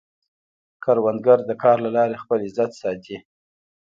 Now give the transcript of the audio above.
کروندګر د کار له لارې خپل عزت ساتي